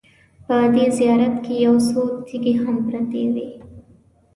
په دې زیارت کې یو څو تیږې هم پرتې وې.